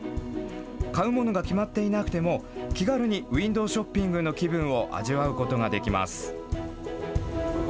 買うものが決まっていなくても、気軽にウインドーショッピングの気分を味わうことができます。